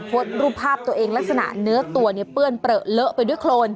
โพสต์รูปภาพตัวเองลักษณะเนื้อตัวเนี่ยเปื้อนเปลือเลอะไปด้วยโครน